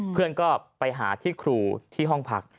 เพื่อนก็ไปหาที่ครูที่ห้องพัก